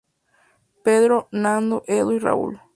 Pedro, Nando, Edu y Raúl.